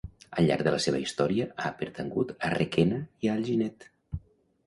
Al llarg de la seva història ha pertangut a Requena i a Alginet.